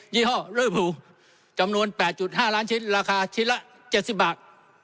ี่ห้อเลอร์พูจำนวน๘๕ล้านชิ้นราคาชิ้นละ๗๐บาท